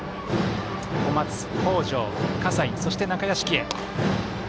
小松、北條、葛西そして中屋敷へ。